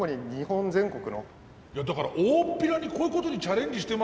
だから大っぴらにこういうことにチャレンジしてます